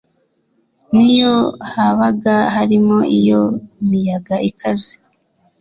n’iyo habaga harimo iyo miyaga ikaze